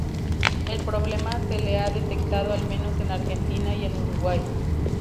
El problema se ha detectado al menos en Argentina y en Uruguay.